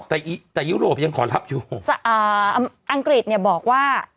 แต่แต่ยุโรปยังขอรับอยู่อ่าอังกฤษเนี่ยบอกว่า